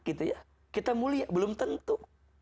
kita mulia belum tentu